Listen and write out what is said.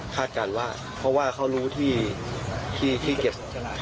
การว่าเพราะว่าเขารู้ที่เก็บ